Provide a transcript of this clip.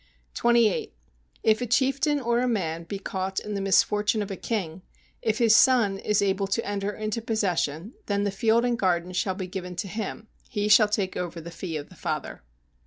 28. If a chieftain or a man be caught in the misfortune of a king, if his son is able to enter into possession, then the field and garden shall be given to him, he shall take over the fee of his father.